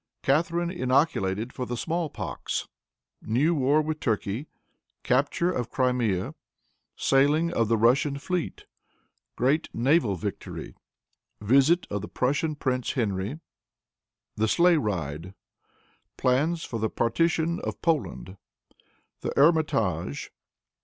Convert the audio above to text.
Catharine Inoculated for the Small Pox. New War with Turkey. Capture of Crimea. Sailing of the Russian Fleet. Great Naval Victory. Visit of the Prussian Prince Henry. The Sleigh Ride. Plans for the Partition of Poland. The Hermitage.